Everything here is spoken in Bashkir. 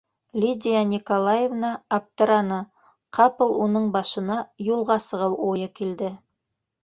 Лидия Николаевна аптыраны, ҡапыл уның башына юлға сығыу уйы килде.